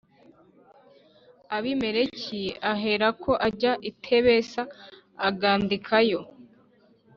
Abimeleki aherako ajya i Tebesa agandikayo